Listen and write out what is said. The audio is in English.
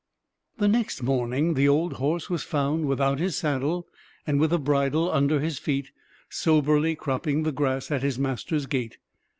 The next morning the old horse was found without his saddle, and with the bridle under his feet, soberly cropping the grass at his master's gate.